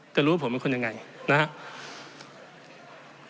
จะรู้ว่าผมเป็นคนยังไงนะครับ